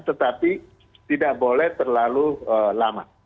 tetapi tidak boleh terlalu lama